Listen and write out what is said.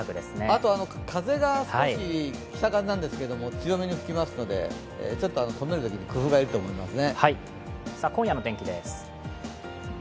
あと風が北風なんですけど強めに吹きますのでちょっと止めるときに工夫が要ると思います。